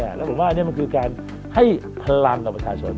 แล้วก็อันนี้มันก็คือให้พลังกับประชาชน